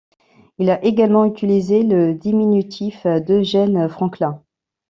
Il a également utilisé le diminutif d'Eugene Franklin.